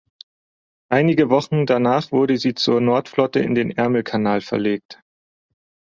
Einige Wochen danach wurde sie zur Nordflotte in den Ärmelkanal verlegt.